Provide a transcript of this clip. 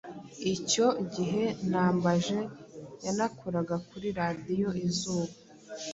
Icyo gihe Nambaje yanakoraga kuri Radio Izuba